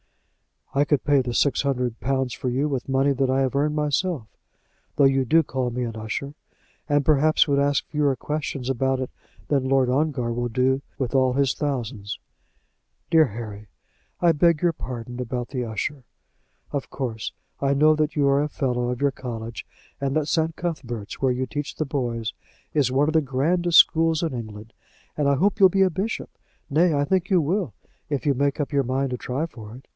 "I could pay the six hundred pounds for you with money that I have earned myself, though you do call me an usher; and perhaps would ask fewer questions about it than Lord Ongar will do with all his thousands." "Dear Harry, I beg your pardon about the usher. Of course, I know that you are a fellow of your college, and that St. Cuthbert's, where you teach the boys, is one of the grandest schools in England; and I hope you'll be a bishop; nay, I think you will, if you make up your mind to try for it."